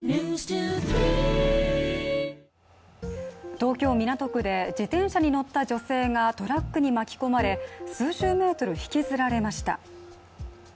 東京・港区で自転車に乗った女性がトラックに巻き込まれ数十メートル引きずられました。